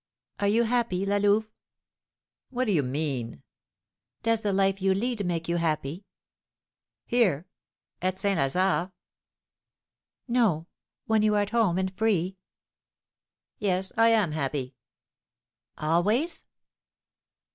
"Are you happy, La Louve?" "What do you mean?" "Does the life you lead make you happy?" "Here, at St. Lazare?" "No; when you are at home and free." "Yes, I am happy." "Always?"